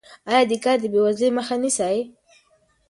آیا کار د بې وزلۍ مخه نیسي؟